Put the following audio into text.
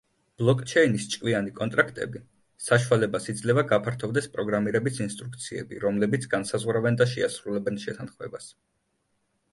ბლოკჩეინის ჭკვიანი კონტრაქტები საშუალებას იძლევა, გაფართოვდეს პროგრამირების ინსტრუქციები, რომლებიც განსაზღვრავენ და შეასრულებენ შეთანხმებას.